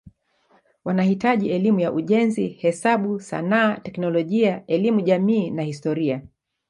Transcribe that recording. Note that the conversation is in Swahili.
Wanahitaji elimu ya ujenzi, hesabu, sanaa, teknolojia, elimu jamii na historia.